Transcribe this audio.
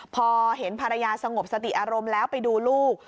พอเห็นภรรยาสงบสติอารมณ์แล้วไปดูลูก